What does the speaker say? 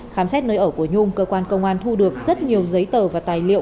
khám xét nơi ở của nhung cơ quan công an thu được rất nhiều giấy tờ và tài liệu